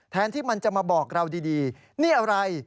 ที่มันจะมาบอกเราดีนี่อะไร